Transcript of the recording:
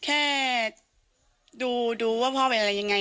แค่ดูว่าพ่อเป็นอะไรยังไง